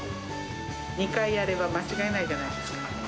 ２回やれば間違えないじゃないですか。